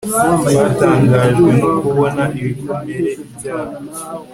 Twatangajwe no kubona ibikomere byabo